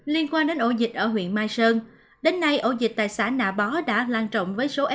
liên quan đến ô dịch ở huyện mai sơn